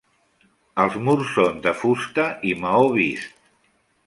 Els murs són de fusta i maó vist.